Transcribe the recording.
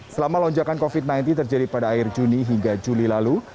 selama lonjakan covid sembilan belas terjadi pada akhir juni hingga juli lalu